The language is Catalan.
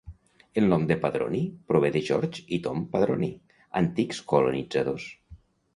El nom de Padroni prové de George i Tom Padroni, antics colonitzadors.